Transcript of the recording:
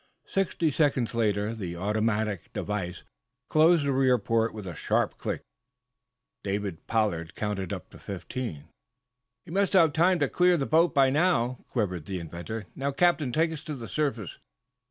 Sixty seconds later the automatic device closed the rear port with a sharp click. David Pollard counted up to fifteen. "He must have had time to get clear of the boat," quivered the inventor. "Now, captain, take us to the surface."